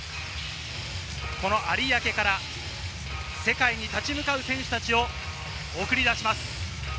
有明から世界に立ち向かう選手たちを送り出します。